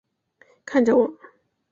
看着我